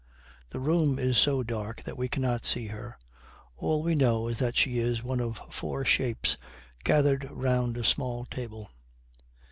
The room is so dark that we cannot see her. All we know is that she is one of four shapes gathered round a small table.